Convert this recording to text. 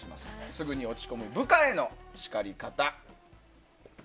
すぐに落ち込む部下への叱り方。